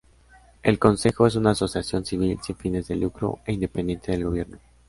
El Consejo es una asociación civil, sin fines de lucro e independiente del gobierno.